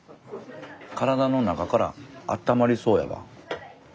体の中からあったまりそうやわ。